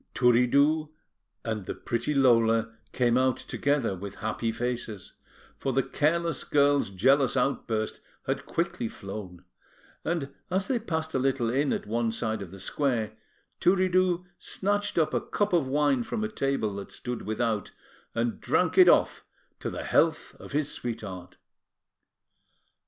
Turiddu and the pretty Lola came out together with happy faces, for the careless girl's jealous outburst had quickly flown; and as they passed a little inn at one side of the square, Turiddu snatched up a cup of wine from a table that stood without, and drank it off to the health of his sweetheart.